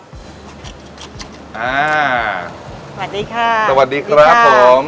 สวัสดีค่ะสวัสดีครับผม